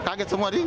kaget semua di